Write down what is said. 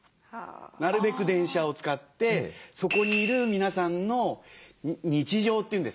なるべく電車を使ってそこにいる皆さんの日常というんですかね